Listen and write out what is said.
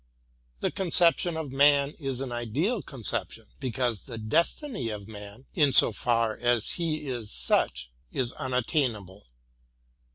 The conception of man is an ideal conception, because the destiny of man, in so far as he is such, is unattainable.